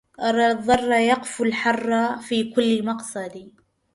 أرى الضر يقفو الحر في كل مقصد